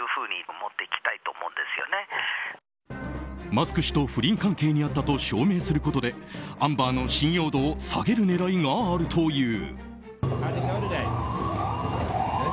マスク氏と不倫関係にあったと証明することでアンバーの信用度を下げる狙いがあるという。